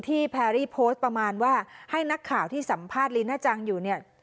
แพรรี่โพสต์ประมาณว่าให้นักข่าวที่สัมภาษณ์ลีน่าจังอยู่เนี่ย